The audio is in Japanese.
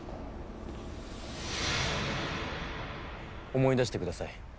思い出してください。